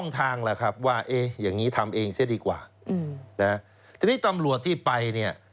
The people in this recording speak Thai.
อย่างนี้ทำเองเสียดีกว่าทีนี้ตำรวจที่ไปเนี่ย